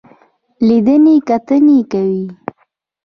لیدنې کتنې کوي.